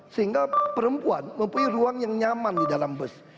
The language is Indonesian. sehingga perempuan mempunyai ruang yang nyaman di dalam bus